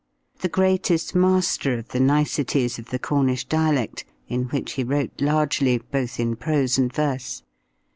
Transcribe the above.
The greatest master of the niceties of the Cornish dialect, in which he wrote largely, both in prose and verse.